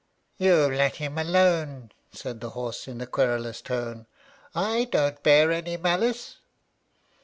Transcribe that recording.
"You let him alone," said the horse, in a querulous tone. "I don't bear any malice."